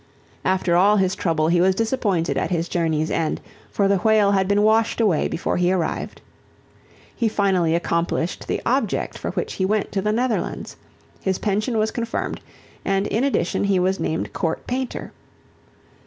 After all his trouble he was disappointed at his journey's end for the whale had been washed away before he arrived. He finally accomplished the object for which he went to the Netherlands. His pension was confirmed and in addition he was named court painter.